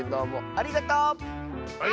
ありがとう！